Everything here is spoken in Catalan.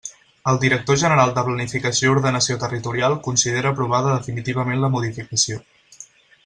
El director general de Planificació i Ordenació Territorial considera aprovada definitivament la modificació.